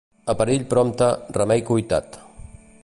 A perill prompte, remei cuitat.